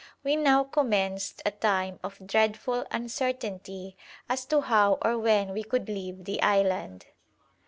We now commenced a time of dreadful uncertainty as to how or when we could leave the island.